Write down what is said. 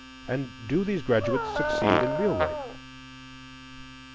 And do these graduates succeed in real life?